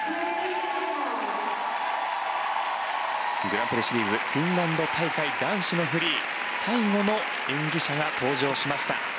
グランプリシリーズフィンランド大会、男子のフリー最後の演技者が登場しました。